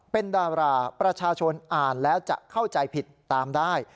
เป็นดาราประชาชนอ่านแล้วจะเข้าใจผิดตามได้